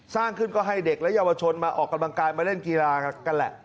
สร้างขึ้นก็ให้เด็กและเยาวชนมาออกกำลังกายมาเล่นกีฬากันแหละ